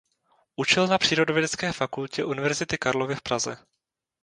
Učil na Přírodovědecké fakultě Univerzity Karlovy v Praze.